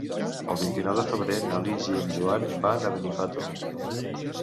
El vint-i-nou de febrer na Lis i en Joan van a Benifato.